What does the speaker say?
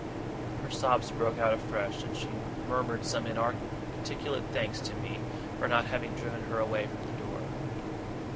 Her sobs broke out afresh, and she murmured some inarticulate thanks to me for not having driven her away from the door.